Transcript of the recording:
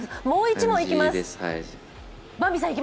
もう一問いきます。